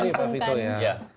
gimana cara itu ya